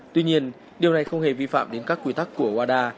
tuy nhiên điều này không hề vi phạm đến các quy tắc của uada